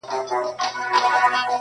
• د سترگو هره ائينه کي مي ستا نوم ليکلی.